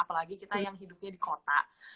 apalagi kita yang hidupnya di kota